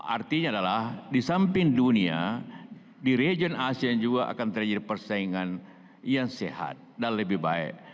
artinya adalah di samping dunia di region asean juga akan terjadi persaingan yang sehat dan lebih baik